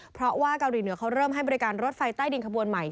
เพราะว่าเกาหลีเหนือเขาเริ่มให้บริการรถไฟใต้ดินขบวนใหม่